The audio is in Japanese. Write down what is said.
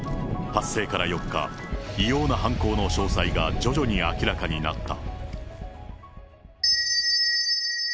発生から４日、異様な犯行の詳細が徐々に明らかになった。